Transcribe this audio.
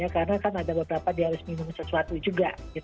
karena kan ada beberapa dia harus minum sesuatu juga